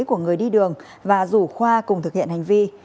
của người đi đường và rủ khoa cùng thực hiện hành vi